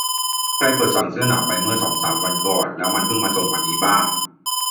ใครกดสั่งเสื้อหนาวไปเมื่อสองสามวันก่อนแล้วมันเพิ่งส่งถึงวันนี้บ้าง